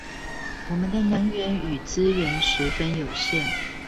我們的能源與資源十分有限